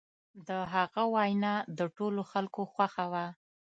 د هغه وینا د ټولو خلکو خوښه وه.